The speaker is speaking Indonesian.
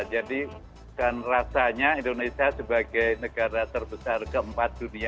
jadi kan rasanya indonesia sebagai negara terbesar keempat dunia